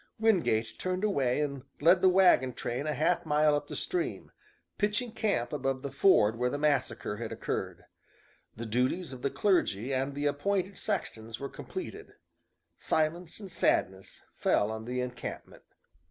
Wingate turned away and led the wagon train a half mile up the stream, pitching camp above the ford where the massacre had occurred. The duties of the clergy and the appointed sextons were completed. Silence and sadness fell on the encampment.